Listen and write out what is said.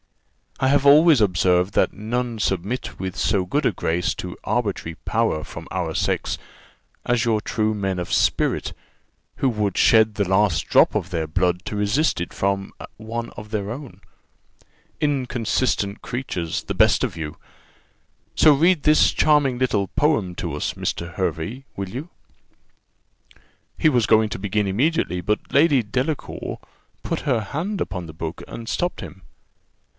"I have always observed that none submit with so good a grace to arbitrary power from our sex as your true men of spirit, who would shed the last drop of their blood to resist it from one of their own. Inconsistent creatures, the best of you! So read this charming little poem to us, Mr. Hervey, will you?" He was going to begin immediately, but Lady Delacour put her hand upon the book, and stopped him.